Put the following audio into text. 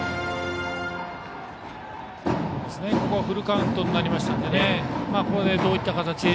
フルカウントになりましたのでここで、どういった形。